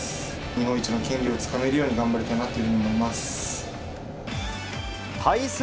日本一の権利をつかめるように、頑張りたいなというふうに思います。